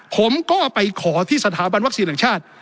ผมก็ไปขอที่สถาบันวัคซีนแห่งชาติ